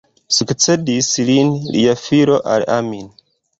Sukcedis lin lia filo Al-Amin.